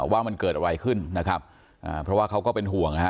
ว่ามันเกิดอะไรขึ้นนะครับอ่าเพราะว่าเขาก็เป็นห่วงนะฮะ